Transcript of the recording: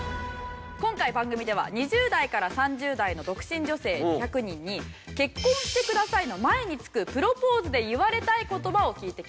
今回番組では２０代から３０代の独身女性２００人に「結婚してください」の前につくプロポーズで言われたい言葉を聞いてきました。